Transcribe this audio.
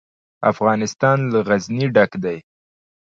افغانستان له غزني ډک دی.